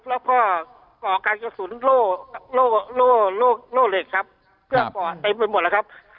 แล้วก็ก่อการกระสุนโล่เหล็กครับ